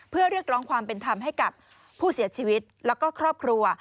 เพื่อเรียกร้องความเป็นธรรมให้กับผู้เสียชีวิตแล้วก็ครอบครัว